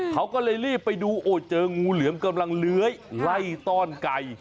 เขาก็เลยรีบไปดูโอ้เจองูเหลือมกำลังเลื้อยไล่ต้อนไก่